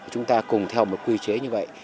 chúng ta cùng theo một quy chế như vậy